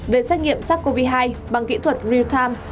về xét nghiệm sars cov hai bằng kỹ thuật real time